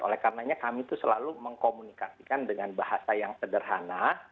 oleh karenanya kami itu selalu mengkomunikasikan dengan bahasa yang sederhana